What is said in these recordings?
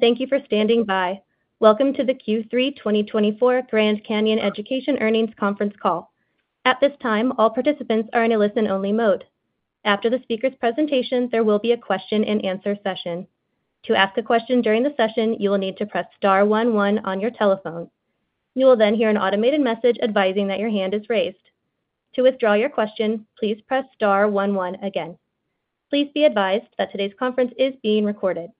Thank you for standing by. Welcome to the Q3 2024 Grand Canyon Education Earnings Conference Call. At this time, all participants are in a listen-only mode. After the speaker's presentation, there will be a question-and-answer session. To ask a question during the session, you will need to press star 11 on your telephone. You will then hear an automated message advising that your hand is raised. To withdraw your question, please press star one one again. Please be advised that today's conference is being recorded.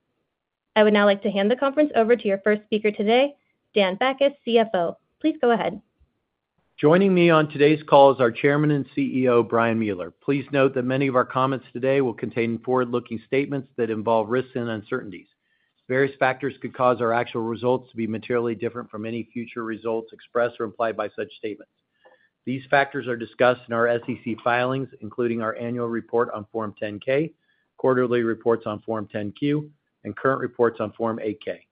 I would now like to hand the conference over to your first speaker today, Dan Bachus, CFO. Please go ahead. Joining me on today's call is our Chairman and CEO, Brian Mueller. Please note that many of our comments today will contain forward-looking statements that involve risks and uncertainties. Various factors could cause our actual results to be materially different from any future results expressed or implied by such statements. These factors are discussed in our SEC filings, including our annual report on Form 10-K, quarterly reports on Form 10-Q, and current reports on Form 8-K.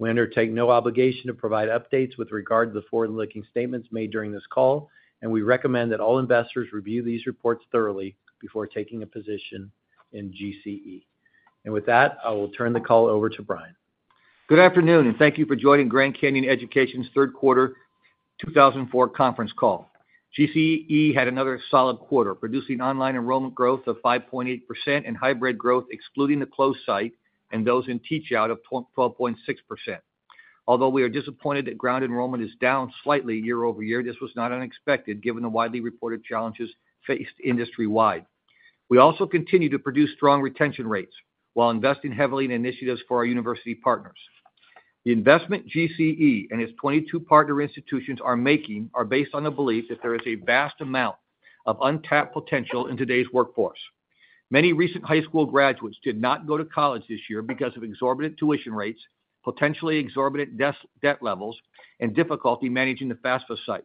We undertake no obligation to provide updates with regard to the forward-looking statements made during this call, and we recommend that all investors review these reports thoroughly before taking a position in GCE, and with that, I will turn the call over to Brian. Good afternoon, and thank you for joining Grand Canyon Education's third quarter 2004 conference call. GCE had another solid quarter, producing online enrollment growth of 5.8% and hybrid growth, excluding the closed site and those in teach-out of 12.6%. Although we are disappointed that ground enrollment is down slightly year-over-year, this was not unexpected given the widely reported challenges faced industry-wide. We also continue to produce strong retention rates while investing heavily in initiatives for our university partners. The investment GCE and its 22 partner institutions are making is based on the belief that there is a vast amount of untapped potential in today's workforce. Many recent high school graduates did not go to college this year because of exorbitant tuition rates, potentially exorbitant debt levels, and difficulty managing the FAFSA site.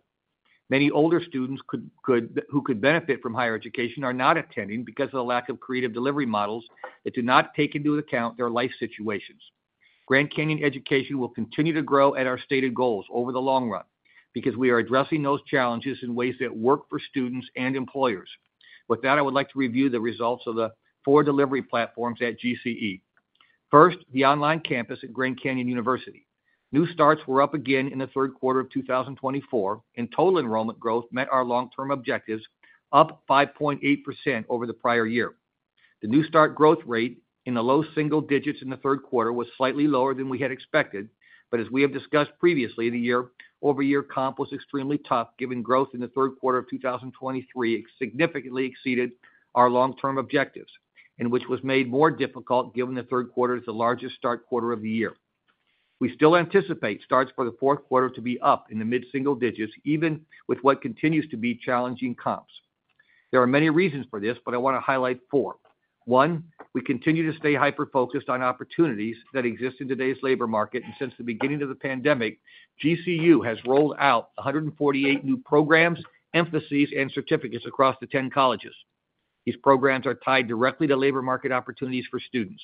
Many older students who could benefit from higher education are not attending because of the lack of creative delivery models that do not take into account their life situations. Grand Canyon Education will continue to grow at our stated goals over the long run because we are addressing those challenges in ways that work for students and employers. With that, I would like to review the results of the four delivery platforms at GCE. First, the online campus at Grand Canyon University. New starts were up again in the third quarter of 2024, and total enrollment growth met our long-term objectives, up 5.8% over the prior year. The new start growth rate in the low single digits in the third quarter was slightly lower than we had expected, but as we have discussed previously, the year-over-year comp was extremely tough given growth in the third quarter of 2023 significantly exceeded our long-term objectives, which was made more difficult given the third quarter is the largest start quarter of the year. We still anticipate starts for the fourth quarter to be up in the mid-single digits, even with what continues to be challenging comps. There are many reasons for this, but I want to highlight four. One, we continue to stay hyper-focused on opportunities that exist in today's labor market, and since the beginning of the pandemic, GCU has rolled out 148 new programs, emphases, and certificates across the 10 colleges. These programs are tied directly to labor market opportunities for students.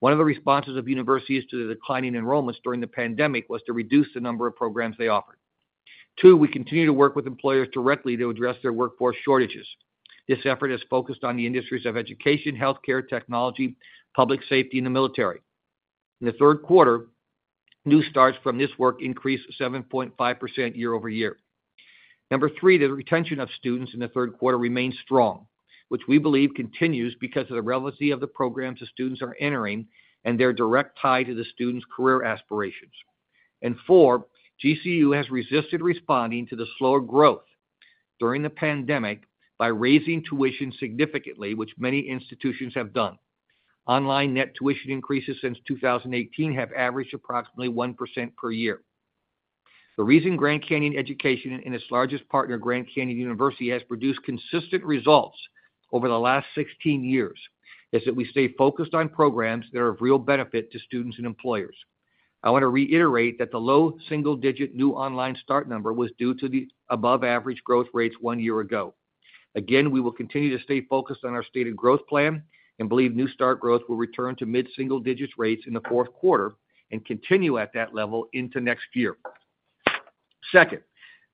One of the responses of universities to the declining enrollments during the pandemic was to reduce the number of programs they offered. Two, we continue to work with employers directly to address their workforce shortages. This effort is focused on the industries of education, healthcare, technology, public safety, and the military. In the third quarter, new starts from this work increased 7.5% year-over-year. Number three, the retention of students in the third quarter remains strong, which we believe continues because of the relevancy of the programs the students are entering and their direct tie to the students' career aspirations. And four, GCU has resisted responding to the slow growth during the pandemic by raising tuition significantly, which many institutions have done. Online net tuition increases since 2018 have averaged approximately 1% per year. The reason Grand Canyon Education, and its largest partner, Grand Canyon University, has produced consistent results over the last 16 years is that we stay focused on programs that are of real benefit to students and employers. I want to reiterate that the low single-digit new online start number was due to the above-average growth rates one year ago. Again, we will continue to stay focused on our stated growth plan and believe new start growth will return to mid-single digits rates in the fourth quarter and continue at that level into next year. Second,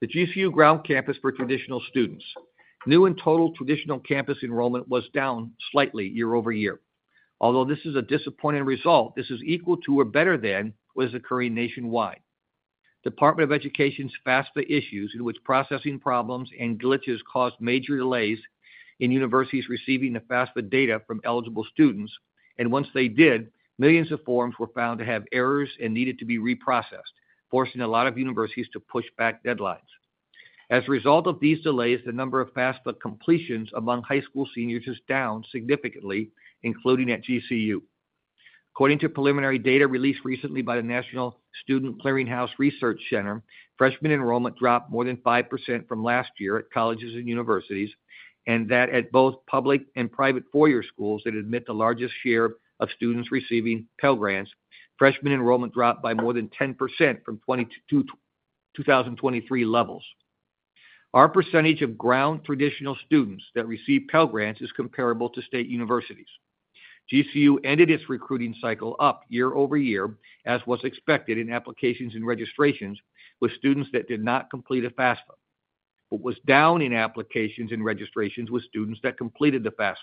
the GCU ground campus for traditional students. New and total traditional campus enrollment was down slightly year-over-year. Although this is a disappointing result, this is equal to or better than what is occurring nationwide. The Department of Education's FAFSA issues, in which processing problems and glitches caused major delays in universities receiving the FAFSA data from eligible students, and once they did, millions of forms were found to have errors and needed to be reprocessed, forcing a lot of universities to push back deadlines. As a result of these delays, the number of FAFSA completions among high school seniors is down significantly, including at GCU. According to preliminary data released recently by the National Student Clearinghouse Research Center, freshmen enrollment dropped more than five% from last year at colleges and universities, and that at both public and private four-year schools that admit the largest share of students receiving Pell Grants, freshmen enrollment dropped by more than 10% from 2023 levels. Our percentage of ground traditional students that receive Pell Grants is comparable to state universities. GCU ended its recruiting cycle up year-over-year, as was expected in applications and registrations with students that did not complete a FAFSA. What was down in applications and registrations was students that completed the FAFSA.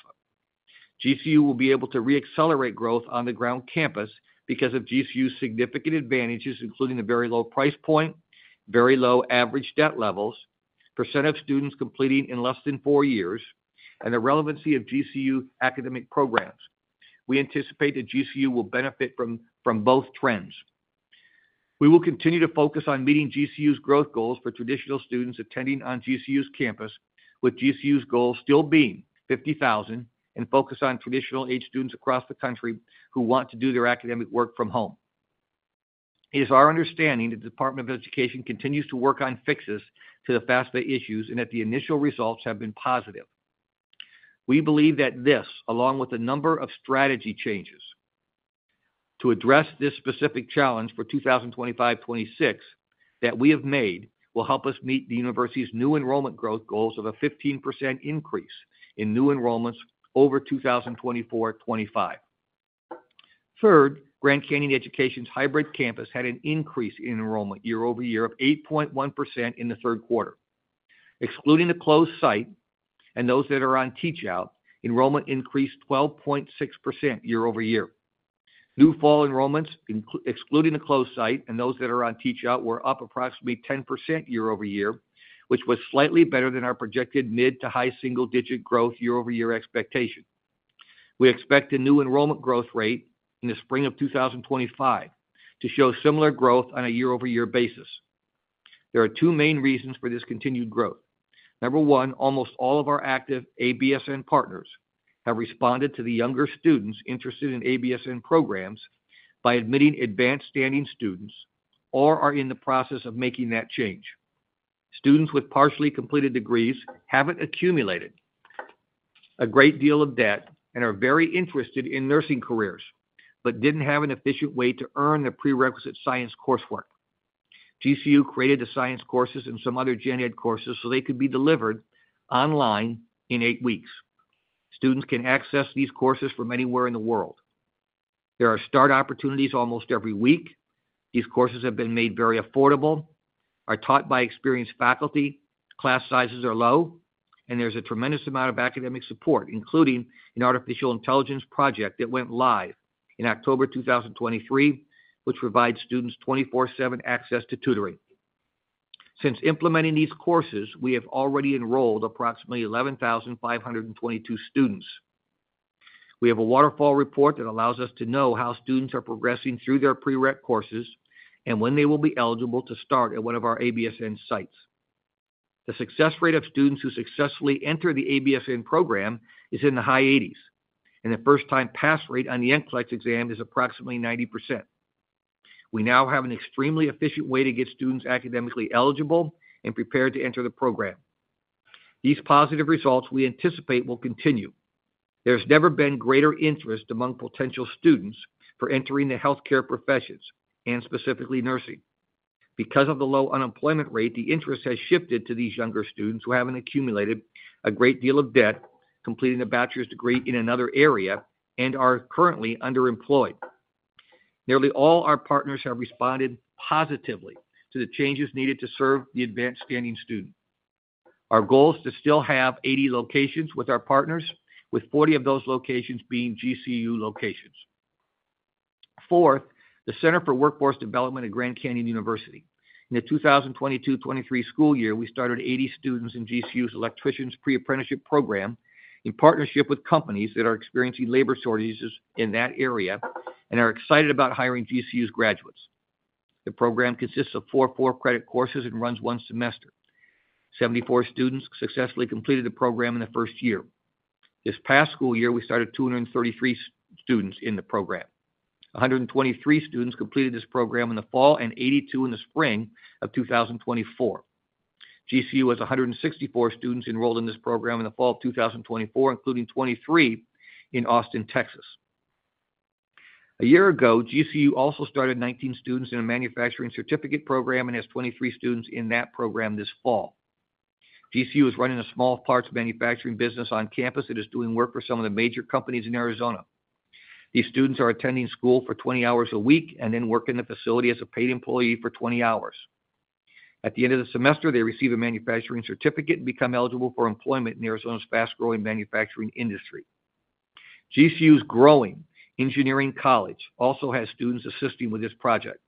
GCU will be able to re-accelerate growth on the ground campus because of GCU's significant advantages, including the very low price point, very low average debt levels, percent of students completing in less than four years, and the relevancy of GCU academic programs. We anticipate that GCU will benefit from both trends. We will continue to focus on meeting GCU's growth goals for traditional students attending on GCU's campus, with GCU's goal still being 50,000 and focus on traditional-age students across the country who want to do their academic work from home. It is our understanding that the Department of Education continues to work on fixes to the FAFSA issues and that the initial results have been positive. We believe that this, along with a number of strategy changes to address this specific challenge for 2025-2026 that we have made, will help us meet the university's new enrollment growth goals of a 15% increase in new enrollments over 2024-2025. Third, Grand Canyon Education's hybrid campus had an increase in enrollment year-over-year of 8.1% in the third quarter. Excluding the closed site and those that are on teach-out, enrollment increased 12.6% year-over-year. New fall enrollments, excluding the closed site and those that are on teach-out, were up approximately 10% year-over-year, which was slightly better than our projected mid-to-high single-digit growth year-over-year expectation. We expect a new enrollment growth rate in the spring of 2025 to show similar growth on a year-over-year basis. There are two main reasons for this continued growth. Number one, almost all of our active ABSN partners have responded to the younger students interested in ABSN programs by admitting advanced-standing students or are in the process of making that change. Students with partially completed degrees haven't accumulated a great deal of debt and are very interested in nursing careers but didn't have an efficient way to earn the prerequisite science coursework. GCU created the science courses and some other gen-ed courses so they could be delivered online in eight weeks. Students can access these courses from anywhere in the world. There are start opportunities almost every week. These courses have been made very affordable, are taught by experienced faculty, class sizes are low, and there's a tremendous amount of academic support, including an artificial intelligence project that went live in October 2023, which provides students 24/7 access to tutoring. Since implementing these courses, we have already enrolled approximately 11,522 students. We have a waterfall report that allows us to know how students are progressing through their pre-req courses and when they will be eligible to start at one of our ABSN sites. The success rate of students who successfully enter the ABSN program is in the high 80s%, and the first-time pass rate on the NCLEX exam is approximately 90%. We now have an extremely efficient way to get students academically eligible and prepared to enter the program. These positive results we anticipate will continue. There has never been greater interest among potential students for entering the healthcare professions and specifically nursing. Because of the low unemployment rate, the interest has shifted to these younger students who haven't accumulated a great deal of debt, completing a bachelor's degree in another area, and are currently underemployed. Nearly all our partners have responded positively to the changes needed to serve the advanced-standing student. Our goal is to still have 80 locations with our partners, with 40 of those locations being GCU locations. Fourth, the Center for Workforce Development at Grand Canyon University. In the 2022-23 school year, we started 80 students in GCU's electricians' pre-apprenticeship program in partnership with companies that are experiencing labor shortages in that area and are excited about hiring GCU's graduates. The program consists of four four-credit courses and runs one semester. 74 students successfully completed the program in the first year. This past school year, we started 233 students in the program. 123 students completed this program in the fall and 82 in the spring of 2024. GCU has 164 students enrolled in this program in the fall of 2024, including 23 in Austin, Texas. A year ago, GCU also started 19 students in a manufacturing certificate program and has 23 students in that program this fall. GCU is running a small parts manufacturing business on campus that is doing work for some of the major companies in Arizona. These students are attending school for 20 hours a week and then work in the facility as a paid employee for 20 hours. At the end of the semester, they receive a manufacturing certificate and become eligible for employment in Arizona's fast-growing manufacturing industry. GCU's growing engineering college also has students assisting with this project.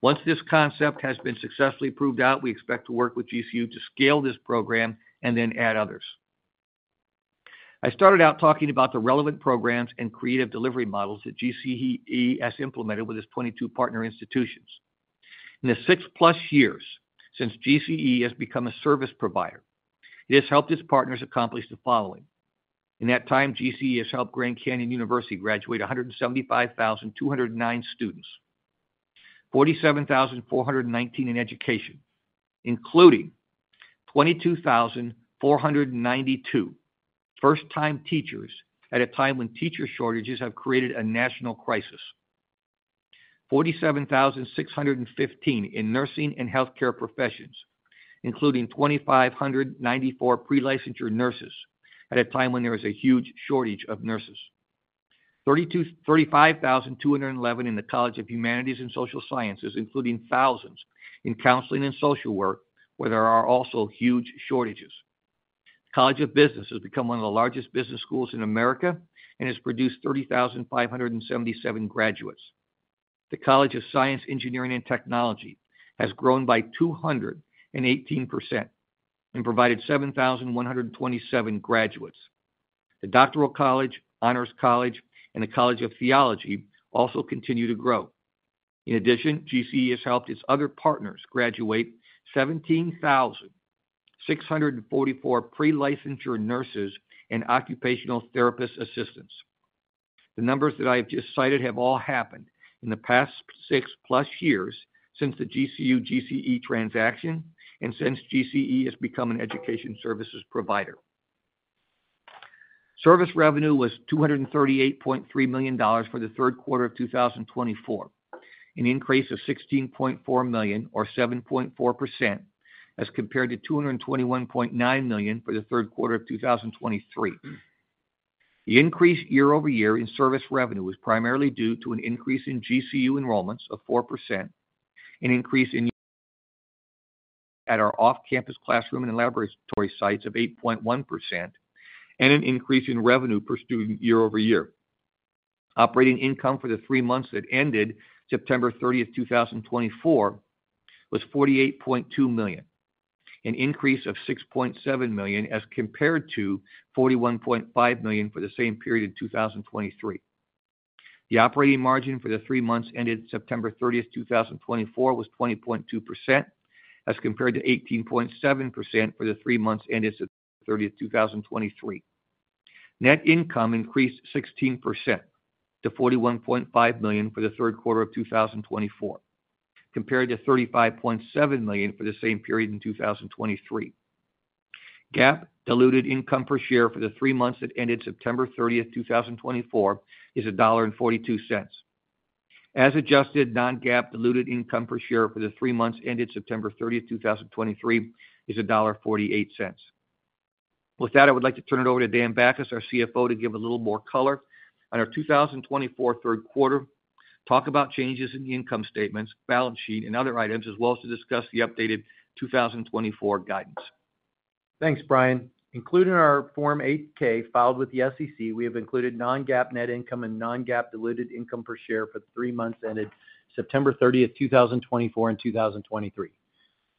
Once this concept has been successfully proved out, we expect to work with GCU to scale this program and then add others. I started out talking about the relevant programs and creative delivery models that GCE has implemented with its 22 partner institutions. In the six-plus years since GCE has become a service provider, it has helped its partners accomplish the following. In that time, GCE has helped Grand Canyon University graduate 175,209 students, 47,419 in education, including 22,492 first-time teachers at a time when teacher shortages have created a national crisis, 47,615 in nursing and healthcare professions, including 2,594 pre-licensure nurses at a time when there is a huge shortage of nurses, 35,211 in the College of Humanities and Social Sciences, including thousands in counseling and social work, where there are also huge shortages. The College of Business has become one of the largest business schools in America and has produced 30,577 graduates. The College of Science, Engineering, and Technology has grown by 218% and provided 7,127 graduates. The Doctoral College, Honors College, and the College of Theology also continue to grow. In addition, GCE has helped its other partners graduate 17,644 pre-licensure nurses and occupational therapist assistants. The numbers that I have just cited have all happened in the past six-plus years since the GCU-GCE transaction and since GCE has become an education services provider. Service revenue was $238.3 million for the third quarter of 2024, an increase of $16.4 million, or 7.4%, as compared to $221.9 million for the third quarter of 2023. The increase year-over-year in service revenue is primarily due to an increase in GCU enrollments of 4%, an increase at our off-campus classroom and laboratory sites of 8.1%, and an increase in revenue per student year-over-year. Operating income for the three months that ended September 30th, 2024, was 48.2 million, an increase of 6.7 million as compared to 41.5 million for the same period in 2023. The operating margin for the three months ended September 30th, 2024, was 20.2% as compared to 18.7% for the three months ended September 30th, 2023. Net income increased 16% to 41.5 million for the third quarter of 2024, compared to 35.7 million for the same period in 2023. GAAP diluted income per share for the three months that ended September 30th, 2024, is $1.42. As adjusted, non-GAAP diluted income per share for the three months ended September 30th, 2023, is $1.48. With that, I would like to turn it over to Dan Bachus, our CFO, to give a little more color on our 2024 third quarter, talk about changes in the income statements, balance sheet, and other items, as well as to discuss the updated 2024 guidance. Thanks, Brian. Including our Form 8-K filed with the SEC, we have included non-GAAP net income and non-GAAP diluted income per share for the three months ended September 30th, 2024, and 2023.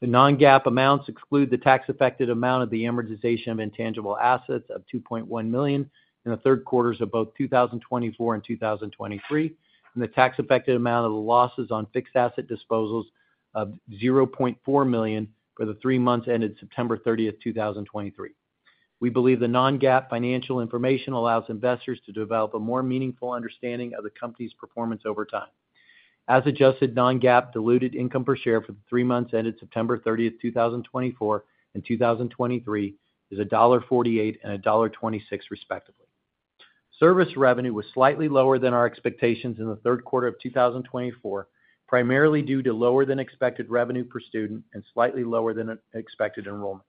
The non-GAAP amounts exclude the tax-affected amount of the amortization of intangible assets of $2.1 million in the third quarters of both 2024 and 2023, and the tax-affected amount of the losses on fixed asset disposals of $0.4 million for the three months ended September 30th, 2023. We believe the non-GAAP financial information allows investors to develop a more meaningful understanding of the company's performance over time. As adjusted, non-GAAP diluted income per share for the three months ended September 30th, 2024, and 2023 is $1.48 and $1.26, respectively. Service revenue was slightly lower than our expectations in the third quarter of 2024, primarily due to lower-than-expected revenue per student and slightly lower-than-expected enrollments.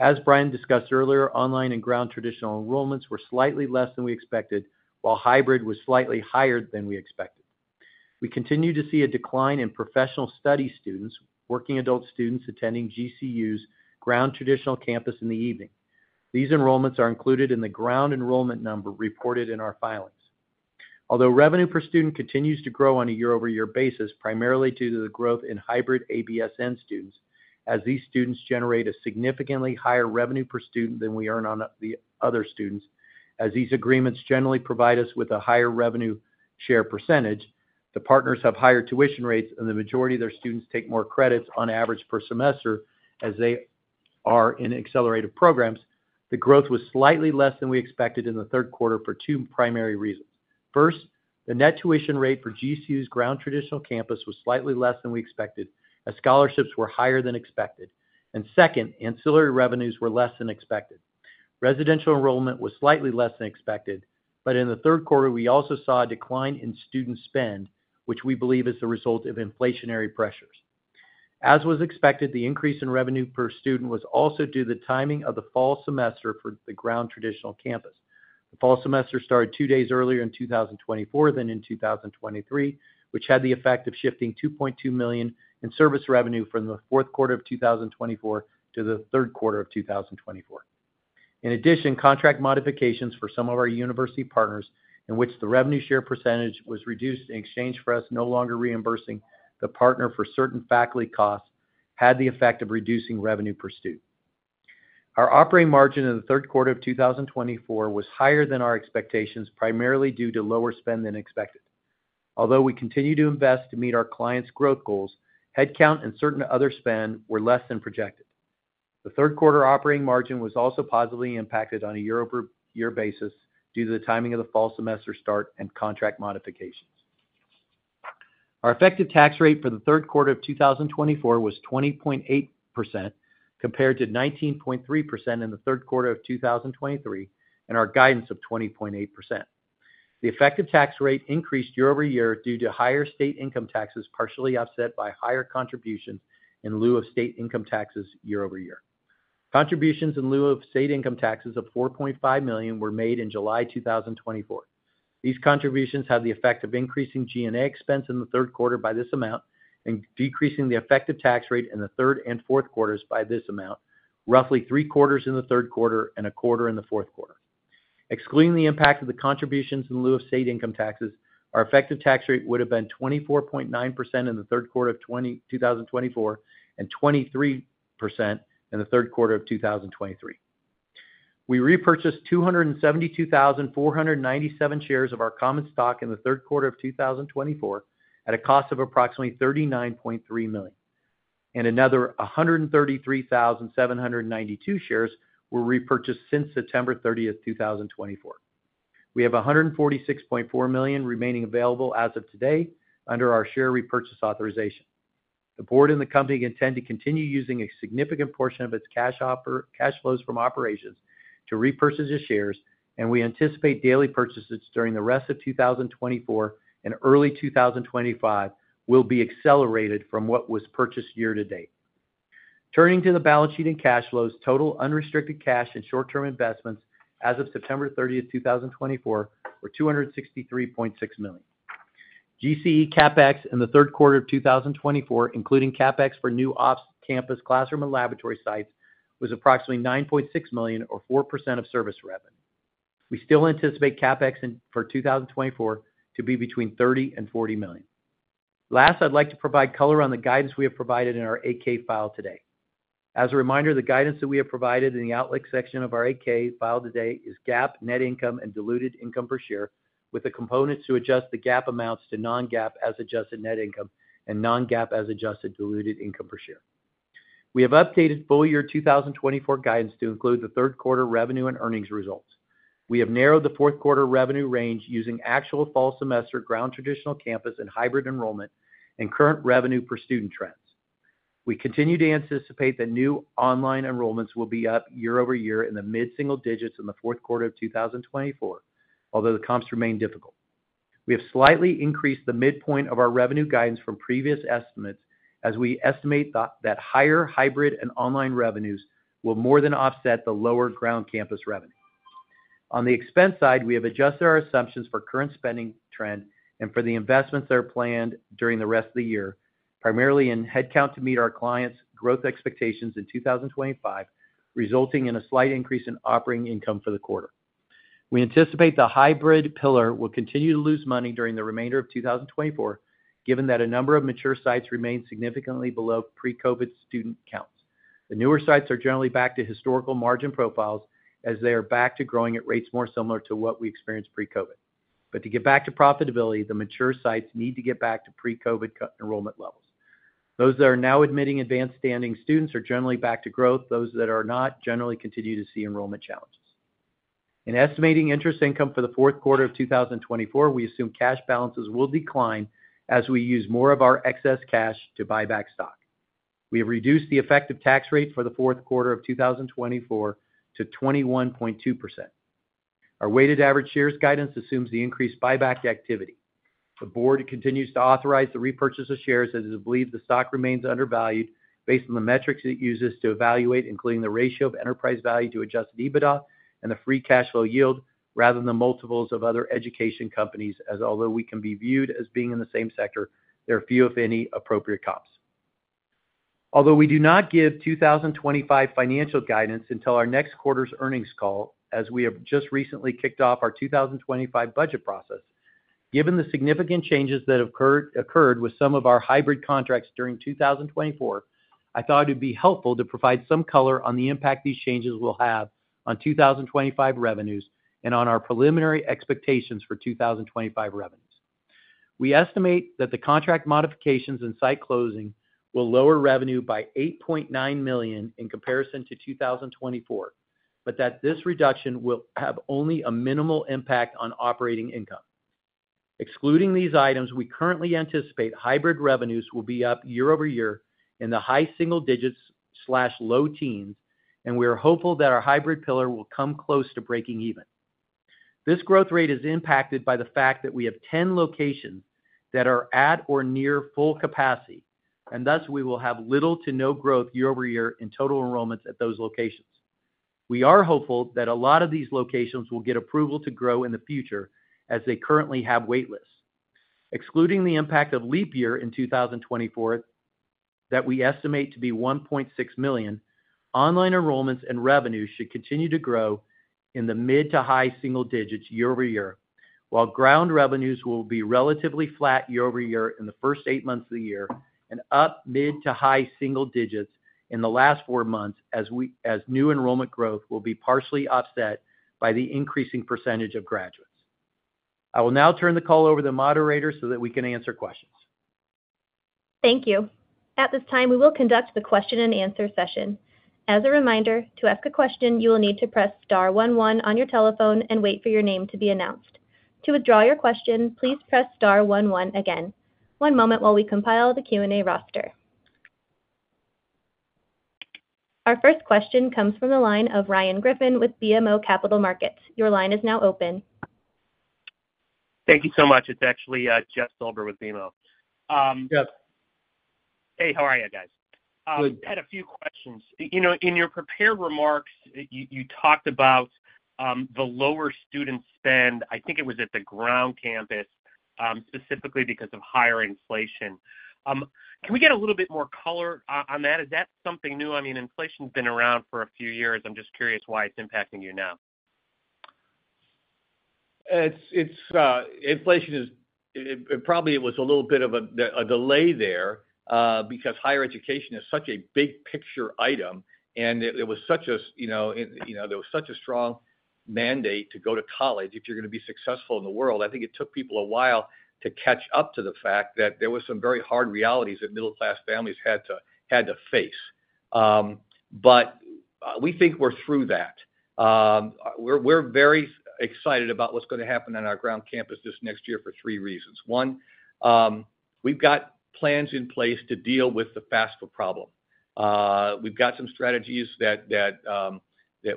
As Brian discussed earlier, online and ground traditional enrollments were slightly less than we expected, while hybrid was slightly higher than we expected. We continue to see a decline in professional study students, working adult students attending GCU's ground traditional campus in the evening. These enrollments are included in the ground enrollment number reported in our filings. Although revenue per student continues to grow on a year-over-year basis, primarily due to the growth in hybrid ABSN students, as these students generate a significantly higher revenue per student than we earn on the other students, as these agreements generally provide us with a higher revenue share percentage, the partners have higher tuition rates, and the majority of their students take more credits on average per semester as they are in accelerated programs, the growth was slightly less than we expected in the third quarter for two primary reasons. First, the net tuition rate for GCU's ground traditional campus was slightly less than we expected, as scholarships were higher than expected. And second, ancillary revenues were less than expected. Residential enrollment was slightly less than expected, but in the third quarter, we also saw a decline in student spend, which we believe is the result of inflationary pressures. As was expected, the increase in revenue per student was also due to the timing of the fall semester for the ground traditional campus. The fall semester started two days earlier in 2024 than in 2023, which had the effect of shifting $2.2 million in service revenue from the fourth quarter of 2024 to the third quarter of 2024. In addition, contract modifications for some of our university partners in which the revenue share percentage was reduced in exchange for us no longer reimbursing the partner for certain faculty costs had the effect of reducing revenue per student. Our operating margin in the third quarter of 2024 was higher than our expectations, primarily due to lower spend than expected. Although we continue to invest to meet our clients' growth goals, headcount and certain other spend were less than projected. The third quarter operating margin was also positively impacted on a year-over-year basis due to the timing of the fall semester start and contract modifications. Our effective tax rate for the third quarter of 2024 was 20.8%, compared to 19.3% in the third quarter of 2023, and our guidance of 20.8%. The effective tax rate increased year-over-year due to higher state income taxes partially offset by higher contributions in lieu of state income taxes year-over-year. Contributions in lieu of state income taxes of $4.5 million were made in July 2024. These contributions have the effect of increasing G&A expense in the third quarter by this amount and decreasing the effective tax rate in the third and fourth quarters by this amount, roughly three quarters in the third quarter and a quarter in the fourth quarter. Excluding the impact of the contributions in lieu of state income taxes, our effective tax rate would have been 24.9% in the third quarter of 2024 and 23% in the third quarter of 2023. We repurchased 272,497 shares of our common stock in the third quarter of 2024 at a cost of approximately $39.3 million, and another 133,792 shares were repurchased since September 30th, 2024. We have $146.4 million remaining available as of today under our share repurchase authorization. The board and the company intend to continue using a significant portion of its cash flows from operations to repurchase the shares, and we anticipate daily purchases during the rest of 2024 and early 2025 will be accelerated from what was purchased year to date. Turning to the balance sheet and cash flows, total unrestricted cash and short-term investments as of September 30th, 2024, were $263.6 million. GCE CapEx in the third quarter of 2024, including CapEx for new off-campus, classroom, and laboratory sites, was approximately $9.6 million, or 4% of service revenue. We still anticipate CapEx for 2024 to be between $30 million and $40 million. Last, I'd like to provide color on the guidance we have provided in our 8-K file today. As a reminder, the guidance that we have provided in the Outlook section of our 8-K file today is GAAP, net income, and diluted income per share, with the components to adjust the GAAP amounts to non-GAAP as adjusted net income and non-GAAP as adjusted diluted income per share. We have updated full-year 2024 guidance to include the third quarter revenue and earnings results. We have narrowed the fourth quarter revenue range using actual fall semester, ground traditional campus, and hybrid enrollment, and current revenue per student trends. We continue to anticipate that new online enrollments will be up year-over-year in the mid-single digits in the fourth quarter of 2024, although the comps remain difficult. We have slightly increased the midpoint of our revenue guidance from previous estimates as we estimate that higher hybrid and online revenues will more than offset the lower ground campus revenue. On the expense side, we have adjusted our assumptions for current spending trend and for the investments that are planned during the rest of the year, primarily in headcount to meet our clients' growth expectations in 2025, resulting in a slight increase in operating income for the quarter. We anticipate the hybrid pillar will continue to lose money during the remainder of 2024, given that a number of mature sites remain significantly below pre-COVID student counts. The newer sites are generally back to historical margin profiles as they are back to growing at rates more similar to what we experienced pre-COVID. But to get back to profitability, the mature sites need to get back to pre-COVID enrollment levels. Those that are now admitting advanced standing students are generally back to growth. Those that are not generally continue to see enrollment challenges. In estimating interest income for the fourth quarter of 2024, we assume cash balances will decline as we use more of our excess cash to buy back stock. We have reduced the effective tax rate for the fourth quarter of 2024 to 21.2%. Our weighted average shares guidance assumes the increased buyback activity. The board continues to authorize the repurchase of shares as it believes the stock remains undervalued based on the metrics it uses to evaluate, including the ratio of enterprise value to Adjusted EBITDA and the free cash flow yield, rather than the multiples of other education companies, as although we can be viewed as being in the same sector, there are few, if any, appropriate comps. Although we do not give 2025 financial guidance until our next quarter's earnings call, as we have just recently kicked off our 2025 budget process, given the significant changes that occurred with some of our hybrid contracts during 2024, I thought it would be helpful to provide some color on the impact these changes will have on 2025 revenues and on our preliminary expectations for 2025 revenues. We estimate that the contract modifications and site closing will lower revenue by $8.9 million in comparison to 2024, but that this reduction will have only a minimal impact on operating income. Excluding these items, we currently anticipate hybrid revenues will be up year-over-year in the high single digits/low teens, and we are hopeful that our hybrid pillar will come close to breaking even. This growth rate is impacted by the fact that we have 10 locations that are at or near full capacity, and thus we will have little to no growth year-over-year in total enrollments at those locations. We are hopeful that a lot of these locations will get approval to grow in the future as they currently have waitlists. Excluding the impact of leap year in 2024, that we estimate to be $1.6 million, online enrollments and revenues should continue to grow in the mid- to high-single digits year-over-year, while ground revenues will be relatively flat year-over-year in the first eight months of the year and up mid- to high-single digits in the last four months as new enrollment growth will be partially offset by the increasing percentage of graduates. I will now turn the call over to the moderator so that we can answer questions. Thank you. At this time, we will conduct the question-and-answer session. As a reminder, to ask a question, you will need to press star one one on your telephone and wait for your name to be announced. To withdraw your question, please press star one one again. One moment while we compile the Q&A roster. Our first question comes from the line of Ryan Griffin with BMO Capital Markets. Your line is now open. Thank you so much. It's actually Jeff Silber with BMO. Jeff. Hey, how are you, guys? Good. Had a few questions. In your prepared remarks, you talked about the lower student spend, I think it was at the ground campus, specifically because of higher inflation. Can we get a little bit more color on that? Is that something new? I mean, inflation's been around for a few years. I'm just curious why it's impacting you now. Inflation is probably a little bit of a delay there because higher education is such a big-picture item, and it was such a strong mandate to go to college if you're going to be successful in the world. I think it took people a while to catch up to the fact that there were some very hard realities that middle-class families had to face. But we think we're through that. We're very excited about what's going to happen on our ground campus this next year for three reasons. One, we've got plans in place to deal with the FAFSA problem. We've got some strategies that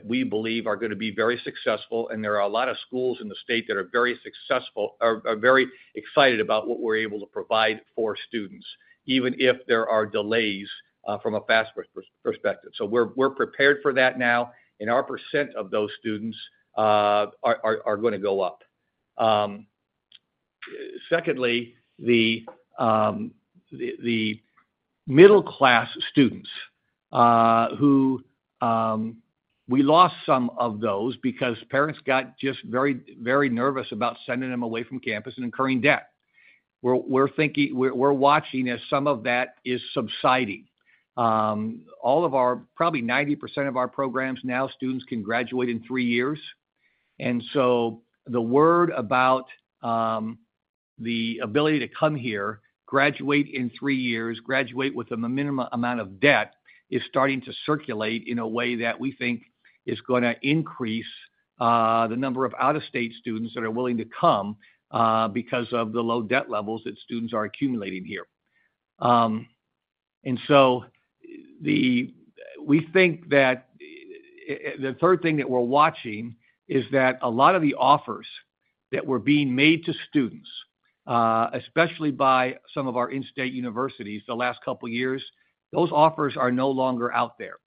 we believe are going to be very successful, and there are a lot of schools in the state that are very successful, are very excited about what we're able to provide for students, even if there are delays from a FAFSA perspective. So we're prepared for that now, and our percent of those students are going to go up. Secondly, the middle-class students who we lost some of those because parents got just very nervous about sending them away from campus and incurring debt. We're watching as some of that is subsiding. All of our programs, probably 90% of our programs now, students can graduate in three years. And so the word about the ability to come here, graduate in three years, graduate with a minimum amount of debt is starting to circulate in a way that we think is going to increase the number of out-of-state students that are willing to come because of the low debt levels that students are accumulating here. And so we think that the third thing that we're watching is that a lot of the offers that were being made to students, especially by some of our in-state universities the last couple of years, those offers are no longer out there.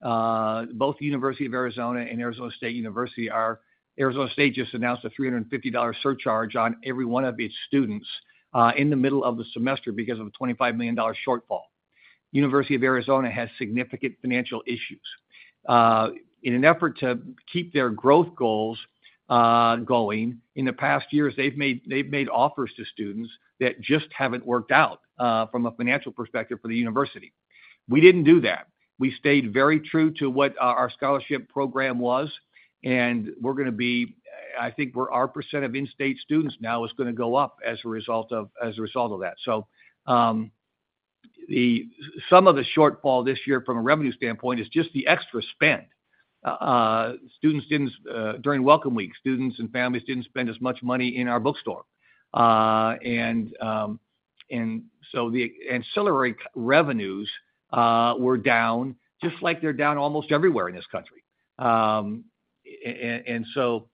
Both the University of Arizona and Arizona State University are. Arizona State just announced a $350 surcharge on every one of its students in the middle of the semester because of a $25 million shortfall. University of Arizona has significant financial issues. In an effort to keep their growth goals going, in the past years, they've made offers to students that just haven't worked out from a financial perspective for the university. We didn't do that. We stayed very true to what our scholarship program was, and we're going to be. I think our % of in-state students now is going to go up as a result of that. Some of the shortfall this year from a revenue standpoint is just the extra spend. Students didn't, during welcome week. Students and families didn't spend as much money in our bookstore. And so the ancillary revenues were down, just like they're down almost everywhere in this country. And so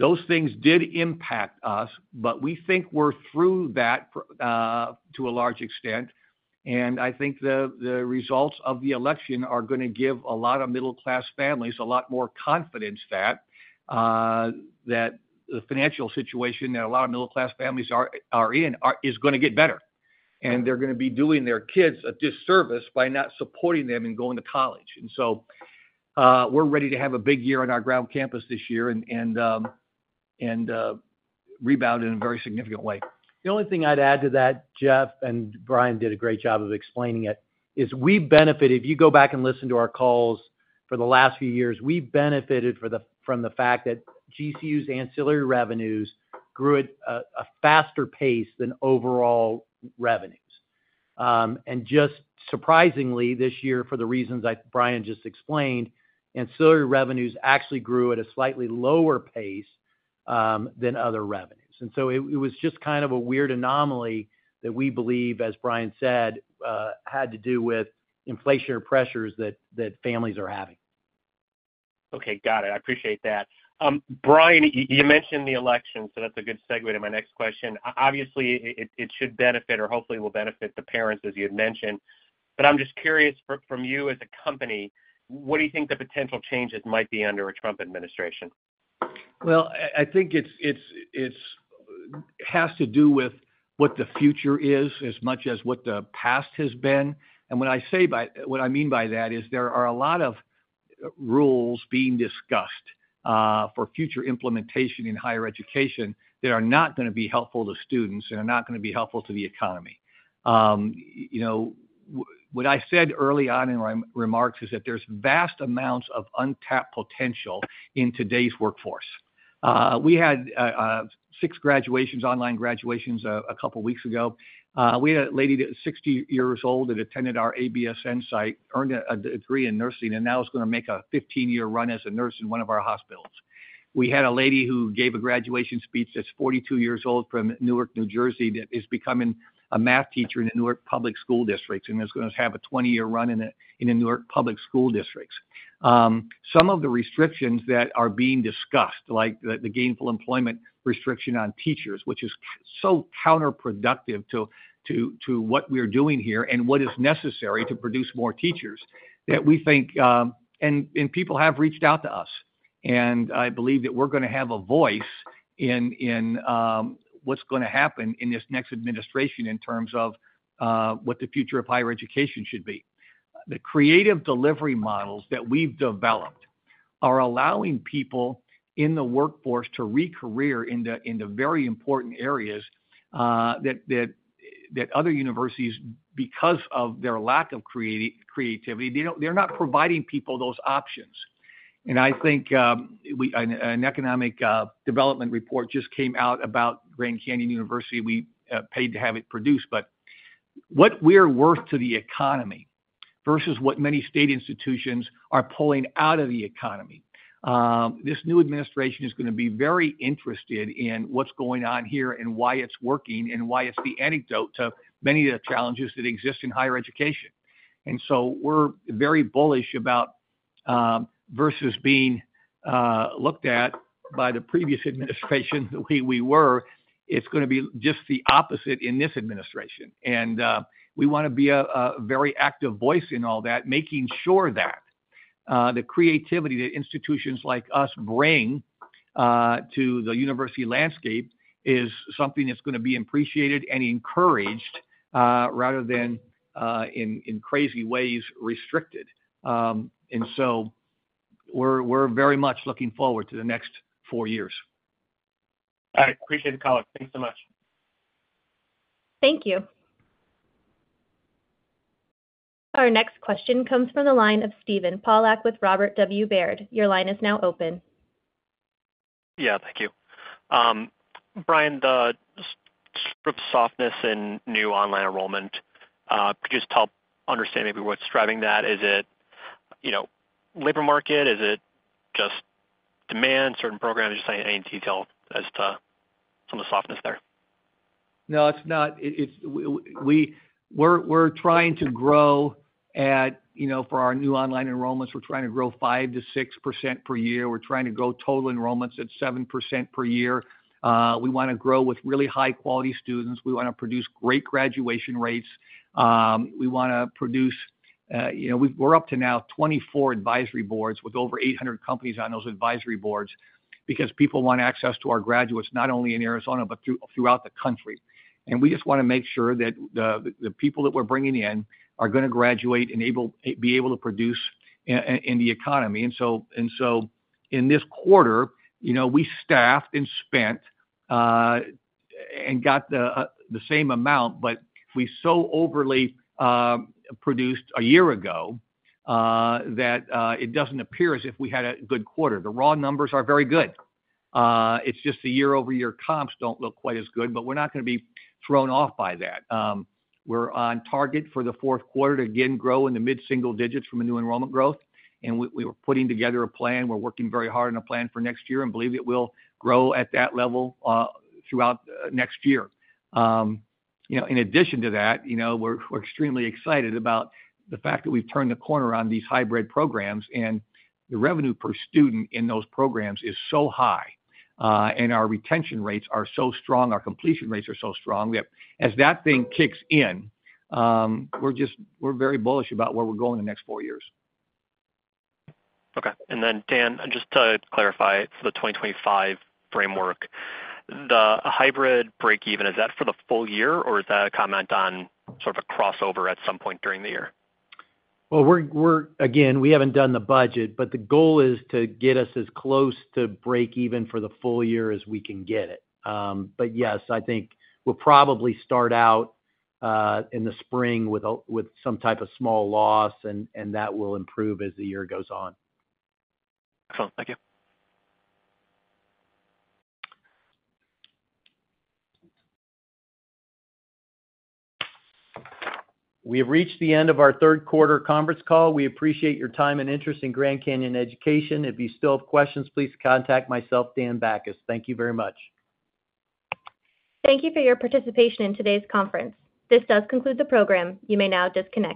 those things did impact us, but we think we're through that to a large extent. And I think the results of the election are going to give a lot of middle-class families a lot more confidence that the financial situation that a lot of middle-class families are in is going to get better, and they're going to be doing their kids a disservice by not supporting them in going to college. And so we're ready to have a big year on our ground campus this year and rebound in a very significant way. The only thing I'd add to that, Jeff and Brian did a great job of explaining it, is we benefited if you go back and listen to our calls for the last few years, we benefited from the fact that GCU's ancillary revenues grew at a faster pace than overall revenues, and just surprisingly, this year, for the reasons Brian just explained, ancillary revenues actually grew at a slightly lower pace than other revenues, and so it was just kind of a weird anomaly that we believe, as Brian said, had to do with inflationary pressures that families are having. Okay. Got it. I appreciate that. Brian, you mentioned the election, so that's a good segue to my next question. Obviously, it should benefit or hopefully will benefit the parents, as you had mentioned. But I'm just curious from you as a company, what do you think the potential changes might be under a Trump administration? Well, I think it has to do with what the future is as much as what the past has been. And what I mean by that is there are a lot of rules being discussed for future implementation in higher education that are not going to be helpful to students and are not going to be helpful to the economy. What I said early on in my remarks is that there's vast amounts of untapped potential in today's workforce. We had six graduations, online graduations, a couple of weeks ago. We had a lady that was 60 years old that attended our ABSN site, earned a degree in nursing, and now is going to make a 15-year run as a nurse in one of our hospitals. We had a lady who gave a graduation speech that's 42 years old from Newark, New Jersey, that is becoming a math teacher in the Newark public school districts, and is going to have a 20-year run in the Newark public school districts. Some of the restrictions that are being discussed, like the gainful employment restriction on teachers, which is so counterproductive to what we're doing here and what is necessary to produce more teachers, that we think and people have reached out to us, and I believe that we're going to have a voice in what's going to happen in this next administration in terms of what the future of higher education should be. The creative delivery models that we've developed are allowing people in the workforce to recareer in the very important areas that other universities, because of their lack of creativity, they're not providing people those options. I think an economic development report just came out about Grand Canyon University. We paid to have it produced, but what we're worth to the economy versus what many state institutions are pulling out of the economy, this new administration is going to be very interested in what's going on here and why it's working and why it's the antidote to many of the challenges that exist in higher education, and so we're very bullish about versus being looked at by the previous administration that we were. It's going to be just the opposite in this administration, and we want to be a very active voice in all that, making sure that the creativity that institutions like us bring to the university landscape is something that's going to be appreciated and encouraged rather than in crazy ways restricted. And so we're very much looking forward to the next four years. I appreciate the call. Thanks so much. Thank you. Our next question comes from the line of Steven Pawlak with Robert W. Baird. Your line is now open. Yeah. Thank you. Brian, the sort of softness in new online enrollment, could you just help understand maybe what's driving that? Is it labor market? Is it just demand, certain programs? Just any detail as to some of the softness there. No, it's not. We're trying to grow at for our new online enrollments, we're trying to grow 5%-6% per year. We're trying to grow total enrollments at 7% per year. We want to grow with really high-quality students. We want to produce great graduation rates. We want to produce. We're up to now 24 advisory boards with over 800 companies on those advisory boards because people want access to our graduates not only in Arizona but throughout the country, and we just want to make sure that the people that we're bringing in are going to graduate and be able to produce in the economy, so in this quarter, we staffed and spent and got the same amount, but we so overly produced a year ago that it doesn't appear as if we had a good quarter. The raw numbers are very good. It's just the year-over-year comps don't look quite as good, but we're not going to be thrown off by that. We're on target for the fourth quarter to, again, grow in the mid-single digits from a new enrollment growth, and we were putting together a plan. We're working very hard on a plan for next year and believe it will grow at that level throughout next year. In addition to that, we're extremely excited about the fact that we've turned the corner on these hybrid programs, and the revenue per student in those programs is so high, and our retention rates are so strong, our completion rates are so strong. As that thing kicks in, we're very bullish about where we're going in the next four years. Okay. And then, Dan, just to clarify for the 2025 framework, the hybrid break-even, is that for the full year, or is that a comment on sort of a crossover at some point during the year? Well, again, we haven't done the budget, but the goal is to get us as close to break-even for the full year as we can get it. But yes, I think we'll probably start out in the spring with some type of small loss, and that will improve as the year goes on. Excellent. Thank you. We have reached the end of our third quarter conference call. We appreciate your time and interest in Grand Canyon Education. If you still have questions, please contact myself, Dan Bachus. Thank you very much. Thank you for your participation in today's conference. This does conclude the program. You may now disconnect.